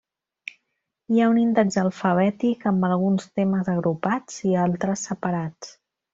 Hi ha un índex alfabètic, amb alguns temes agrupats i altres separats.